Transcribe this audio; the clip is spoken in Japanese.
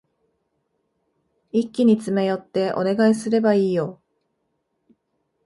一気に詰め寄ってお願いすればいいよ。